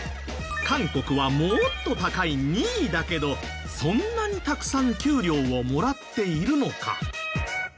韓国はもっと高い２位だけどそんなにたくさん給料をもらっているのか？